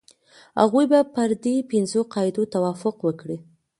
هغوی به پر دې پنځو قاعدو توافق وکړي.